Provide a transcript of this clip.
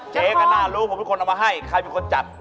เจ๊ก็น่ารู้ผมเป็นคนเอามาให้ใครเป็นคนจัด